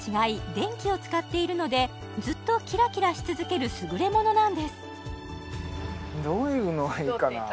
電気を使っているのでずっとキラキラし続けるすぐれものなんですどういうのがいいかな？